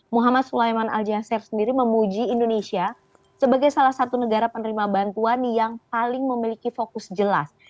muhammad sulaiman al jasir sendiri memuji indonesia sebagai salah satu negara penerima bantuan yang paling memiliki fokus jelas